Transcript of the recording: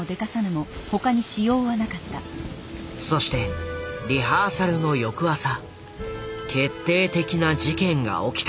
そしてリハーサルの翌朝決定的な事件が起きた。